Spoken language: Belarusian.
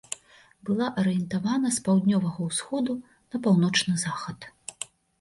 Была арыентавана з паўднёвага ўсходу на паўночны захад.